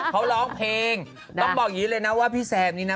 เขาร้องเพลงต้องบอกอย่างนี้เลยนะว่าพี่แซมนี่นะ